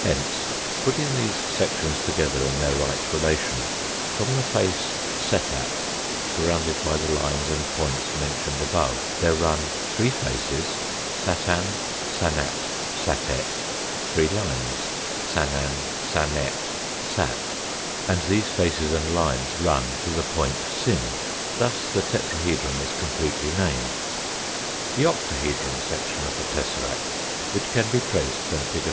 Hence, putting these sections together in their right relation, from the face setat, surrounded by the lines and points mentioned above, there run : 3 faces : satan, sanat, satet 3 lines : sanan, sanet, sat and these faces and lines run to the point sin. Thus the tetrahedron is completely named. The octahedron section of the tesseract, which can be traced from fig.